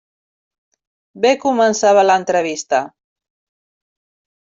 Bé començava l'entrevista.